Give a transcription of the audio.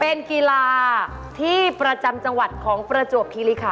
เป็นกีฬาที่ประจำจังหวัดของประจวบคิริขัน